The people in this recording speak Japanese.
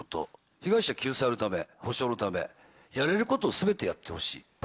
被害者救済のため、補償のため、やれることすべてやってほしい。